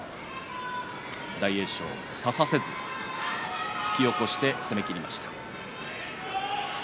大栄翔は差させず突き起こして攻めきりました。